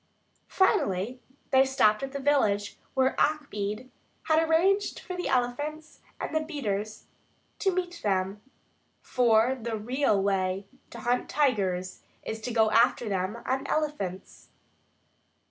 Finally they stopped at the village where Achmed had arranged for the elephants and the beaters to meet them, for the real way to hunt tigers is to go after them on elephants.